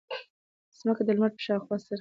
ځمکه د لمر په شاوخوا څرخي.